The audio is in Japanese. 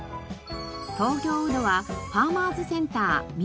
東京ウドはファーマーズセンターみ